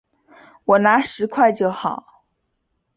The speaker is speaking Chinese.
我拿十块就好